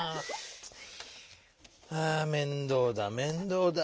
あ面倒だ面倒だ。